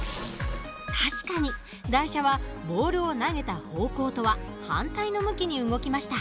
確かに台車はボールを投げた方向とは反対の向きに動きました。